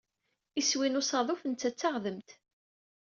Iswi n usaḍuf netta d taɣdemt.